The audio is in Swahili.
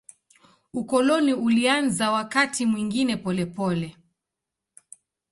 Ukoloni ulianza wakati mwingine polepole.